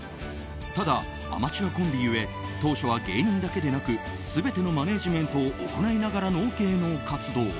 ただ、アマチュアコンビゆえ当初は芸人だけでなく全てのマネジメントを行いながらの芸能活動。